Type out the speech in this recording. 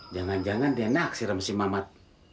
jangan jangan dia naksir sama si mamat